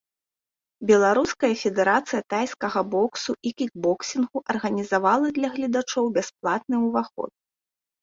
Беларуская федэрацыя тайскага боксу і кікбоксінгу арганізавала для гледачоў бясплатны ўваход.